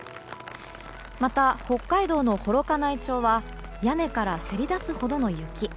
また、北海道の幌加内町は屋根からせり出すほどの雪。